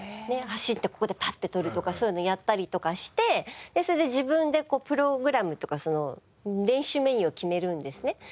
走ってここでパッて取るとかそういうのやったりとかしてそれで自分でプログラムとかその練習メニューを決めるんですね。